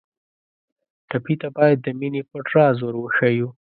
ټپي ته باید د مینې پټ راز ور وښیو.